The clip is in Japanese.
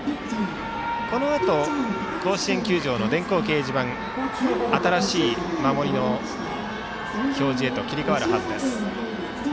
このあと甲子園球場の電光掲示板は新しい守りの表示へと切り替わるはずです。